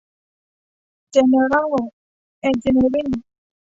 เจนเนอรัล เอนจิเนียริ่ง